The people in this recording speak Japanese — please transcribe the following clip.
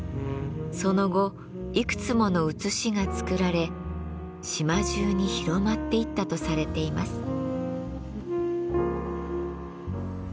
その後いくつもの写しが作られ島じゅうに広まっていったとされています。